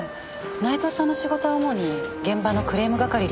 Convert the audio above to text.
内藤さんの仕事は主に現場のクレーム係でしたから。